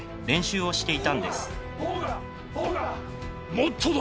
もっとだ！